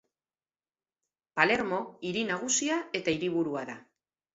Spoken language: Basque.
Palermo hiri nagusia eta hiriburua da.